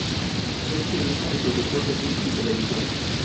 Es guionista y "productor" de cine y televisión.